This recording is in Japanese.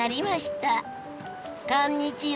こんにちは。